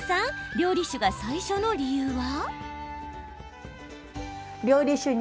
料理酒が最初の理由は？